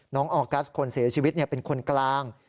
ออกัสคนเสียชีวิตเป็นคนกลาง